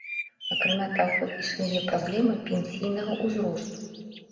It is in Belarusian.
Акрамя таго, існуе праблема пенсійнага ўзросту.